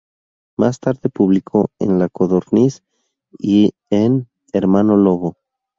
Más tarde publicó en "La Codorniz" y en "Hermano Lobo.